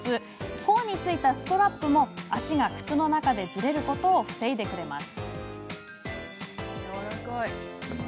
甲に付いたストラップも足が靴の中でずれることを防いでくれます。